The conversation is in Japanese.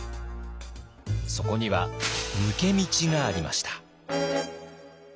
そこには抜け道がありました。